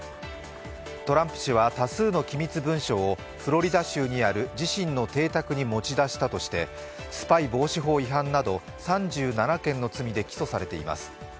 トランプ氏は多数の機密文書をフロリダ州にある自身の邸宅に持ち出したとしてスパイ防止法違反など３７件の罪で起訴されています。